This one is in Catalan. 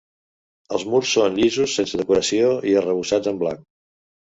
Els murs són llisos, sense decoració i arrebossats en blanc.